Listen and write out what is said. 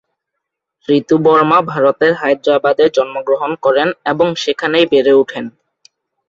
ঋতু বর্মা ভারতের হায়দ্রাবাদে জন্মগ্রহণ করেন এবং সেখানেই বেড়ে ওঠেন।